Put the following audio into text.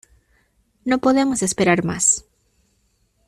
No podemos esperar más.